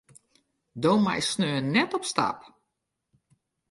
Do meist sneon net op stap.